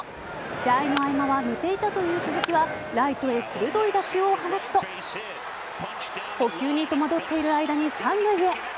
試合の合間は寝ていたという鈴木はライトへ鋭い打球を放つと捕球に戸惑っている間に三塁へ。